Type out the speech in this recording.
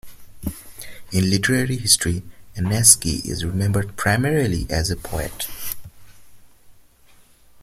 In literary history, Annensky is remembered primarily as a poet.